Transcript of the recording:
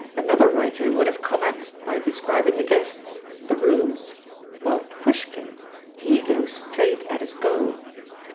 Another writer would have commenced by describing the guests, the rooms, while Pushkin he goes straight at his goal."